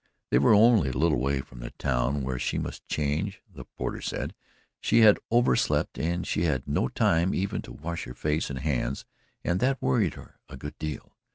They were only a little way from the town where she must change, the porter said; she had overslept and she had no time even to wash her face and hands, and that worried her a good deal.